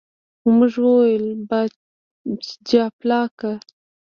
موږ وویل، جاپلاک.